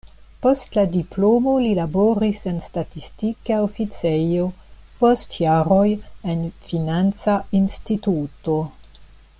Post la diplomo li laboris en statistika oficejo, post jaroj en financa instituto.